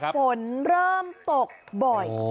ฝนเริ่มตกบ่อย